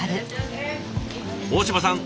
大嶋さん